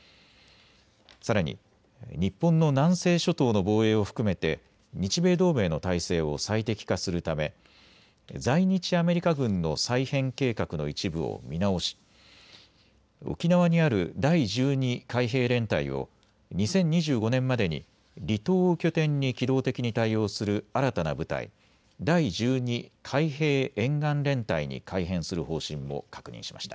さらに日本の南西諸島の防衛を含めて日米同盟の態勢を最適化するため在日アメリカ軍の再編計画の一部を見直し、沖縄にある第１２海兵連隊を２０２５年までに離島を拠点に機動的に対応する新たな部隊、第１２海兵沿岸連隊に改編する方針も確認しました。